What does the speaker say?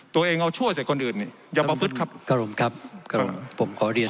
ตัวเองเอาชั่วใส่คนอื่นนี่อย่ามาพฤตครับกรมครับกรมผมขอเรียน